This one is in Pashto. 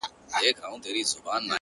• ویل پوه لا د ژوندون په قانون نه یې,